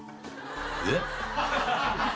えっ⁉